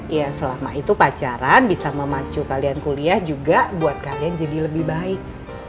ya selama itu pacaran bisa memacu kalian kuliah juga buat kalian jadi lebih baik